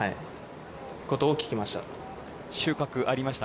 ことを聞きました。